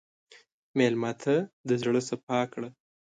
مېلمه ته د زړه صفا کړه.